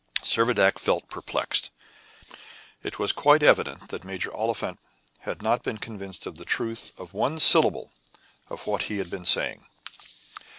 Servadac felt perplexed. It was quite evident that Major Oliphant had not been convinced of the truth of one syllable of what he had been saying.